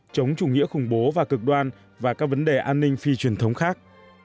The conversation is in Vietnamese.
chống chủ nghĩa khủng bố và cực đoan và các vấn đề an ninh phi truyền thống khác